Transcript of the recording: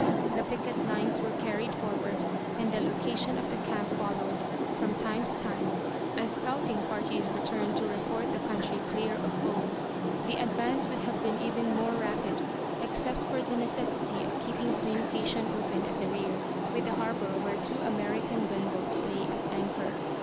The picket lines were carried forward and the location of the camp followed, from time to time, as scouting parties returned to report the country clear of foes. The advance would have been even more rapid, except for the necessity of keeping communication open at the rear with the harbour where two American gunboats lay at anchor.